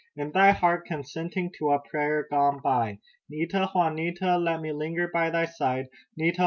In thy heart consenting to a prayer gone by! Nita! Juanita! Let me linger by thy side. Nita!